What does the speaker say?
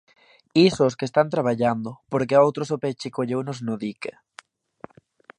Iso os que están traballando, porque a outros o peche colleunos no dique.